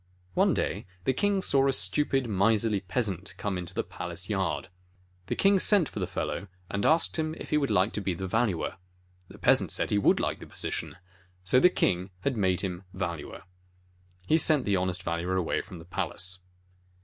One day the king saw a stupid, miserly peasant come into the palace yard. The king sent for the fellow and asked him if he would like to be the Valuer. The peasant said he would like the position. So the king had him made Valuer. He sent the honest Valuer away from the palace.